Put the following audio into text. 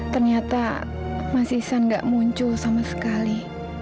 ternyata mas ihsan gak muncul sama sekali